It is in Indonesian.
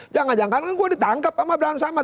jangan jangan kan gue ditangkap sama abraham samad